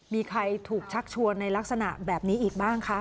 มีใครถูกชักชวนในลักษณะแบบนี้อีกบ้างคะ